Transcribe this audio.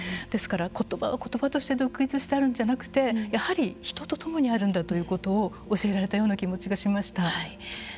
ですから言葉は言葉として独立してあるんじゃなくてやはり人と共にあるんだということを教えられたような気持ちがしました。